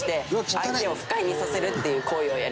相手を不快にさせるっていう行為をやります」